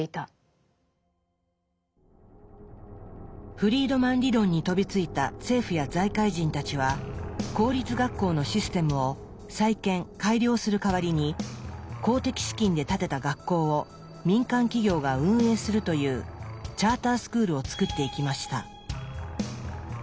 フリードマン理論に飛びついた政府や財界人たちは公立学校のシステムを再建改良する代わりに公的資金で建てた学校を民間企業が運営するというチャータースクールを作っていきました。